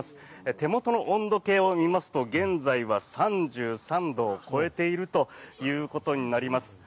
手元の温度計を見ますと現在は３３度を超えているということになります。